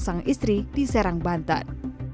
kandung sang istri diserang bantan